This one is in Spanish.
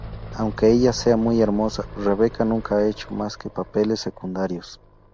Aunque ella sea muy hermosa, Rebecca nunca ha hecho más que papeles secundarios.